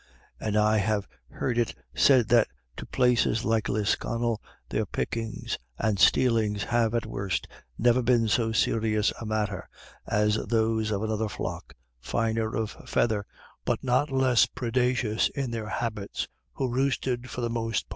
And I have heard it said that to places like Lisconnel their pickings and stealings have at worst never been so serious a matter as those of another flock, finer of feather, but not less predacious in their habits, who roosted, for the most part, a long way off, and made their collections by deputy.